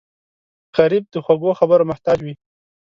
غریب د خوږو خبرو محتاج وي